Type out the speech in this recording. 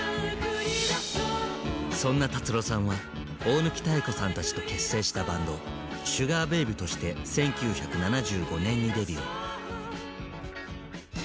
そんな達郎さんは大貫妙子さんたちと結成したバンドシュガー・ベイブとして１９７５年にデビュー。